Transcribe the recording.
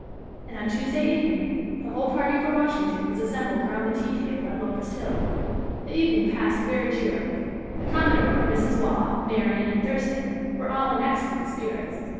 And on Tuesday evening, the whole party for Washington was assembled around the tea table at Locust Hill. The evening passed very cheerily. The commodore, Mrs. Waugh, Marian and Thurston, were all in excellent spirits.